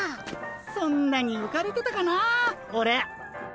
そんなにうかれてたかなあオレ。